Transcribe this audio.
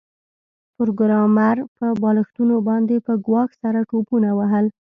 پروګرامر په بالښتونو باندې په ګواښ سره ټوپونه وهل